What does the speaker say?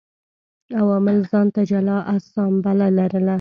عوامو ځان ته جلا اسامبله لرله